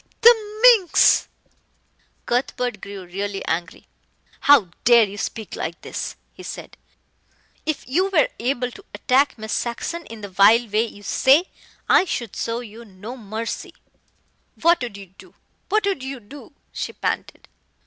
Pah! the minx!" Cuthbert grew really angry. "How dare you speak like this?" he said. "If you were able to attack Miss Saxon in the vile way you say, I should show you no mercy." "What would you do what would you do?" she panted.